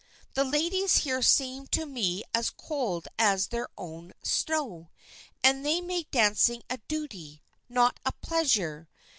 The ladies here seem to me as cold as their own snow, and they make dancing a duty, not a pleasure.